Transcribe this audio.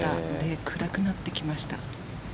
暗くなってきました。